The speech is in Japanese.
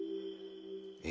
え？